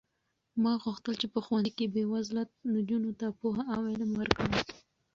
ما غوښتل چې په ښوونځي کې بې وزله نجونو ته پوهه او علم ورکړم.